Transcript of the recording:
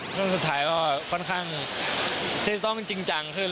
ช่วงสุดท้ายก็ค่อนข้างที่จะต้องจริงจังขึ้น